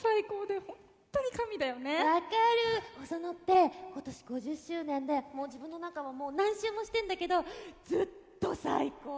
ホソノって今年５０周年で自分の中をもう何周もしてんだけどずっと最高！